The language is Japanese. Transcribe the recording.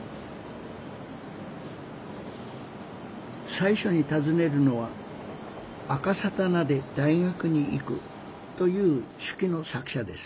最初に訪ねるのは「『あ・か・さ・た・な』で大学に行く」という手記の作者です。